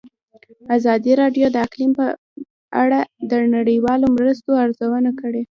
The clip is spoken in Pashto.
ازادي راډیو د اقلیم په اړه د نړیوالو مرستو ارزونه کړې.